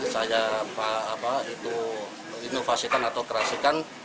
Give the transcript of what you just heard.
saya inovasikan atau kerasikan